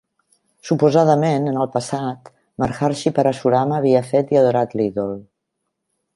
Suposadament, en el passat, Maharshi Parasurama havia fet i adorat l'ídol.